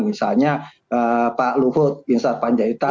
misalnya pak luhut bin sarpanjaitan